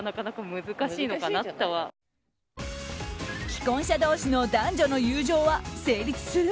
既婚者同士の男女の友情は成立する？